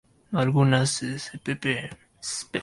Algunas spp.